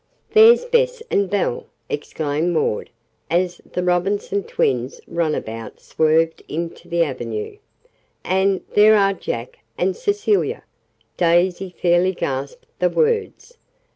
"There's Bess and Belle!" exclaimed Maud, as the Robinson twins' runabout swerved into the avenue. "And there are Jack and Cecilia!" Daisy fairly gasped the words.